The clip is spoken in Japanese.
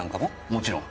もちろん。